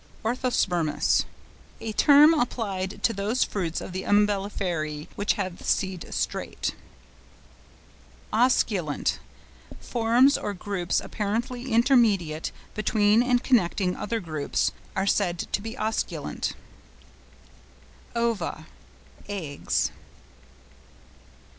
ORTHOSPERMOUS.—A term applied to those fruits of the Umbelliferæ which have the seed straight. OSCULANT.—Forms or groups apparently intermediate between and connecting other groups are said to be osculant. OVA.—Eggs.